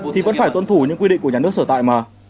thì vẫn phải tuân thủ những quy định của nhà nước sở tại mà